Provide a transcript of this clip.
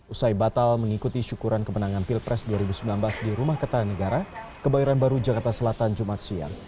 usai batal mengikuti syukuran kemenangan pilpres dua ribu sembilan belas di rumah ketanegara kebayoran baru jakarta selatan jumat siang